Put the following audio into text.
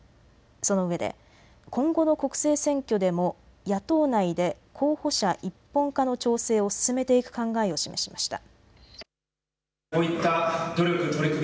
そのうえで今後の国政選挙でも野党内で候補者一本化の調整を進めていく考えを示しました。